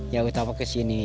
yang utama ke sini